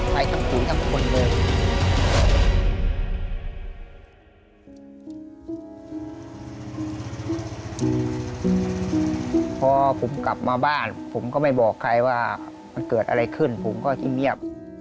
ไปกับปุ๋ยทั้งคนเลย